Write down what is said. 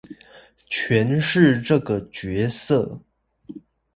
詮釋這個角色